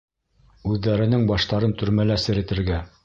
Үҙҙәренең баштарын төрмәлә серетергә.